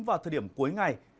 vào thời điểm cuối ngày